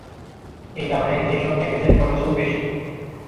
এ কারণে এসব প্যাকেজের খরচও বেশি।